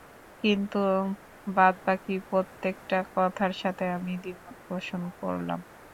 কিন্তু বাদবাকি প্রত্যেকটা কথার সাথে আমি দ্বিমত পোষণ করলাম।